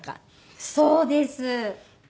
そうです。